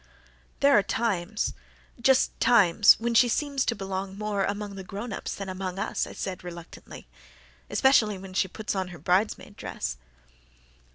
"There are times just times when she seems to belong more among the grown ups than among us," I said, reluctantly, "especially when she puts on her bridesmaid dress."